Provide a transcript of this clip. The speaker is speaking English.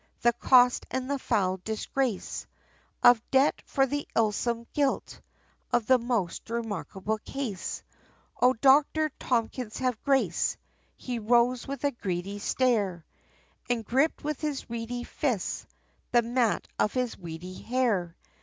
the cost and the foul disgrace, Of debt, for the illsome guilt, of the most remarkable case, O Doctor Tommins have grace!" he rose with a greedy stare, And gripped with his reedy fists, the mat of his weedy hair!